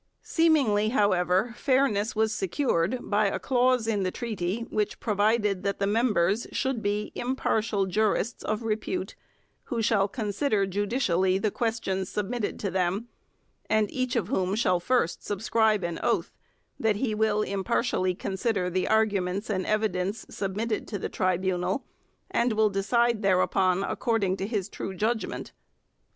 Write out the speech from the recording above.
Seemingly, however, fairness was secured by a clause in the treaty which provided that the members should be 'impartial jurists of repute, who shall consider judicially the questions submitted to them, and each of whom shall first subscribe an oath that he will impartially consider the arguments and evidence submitted to the tribunal and will decide thereupon according to his true judgment.'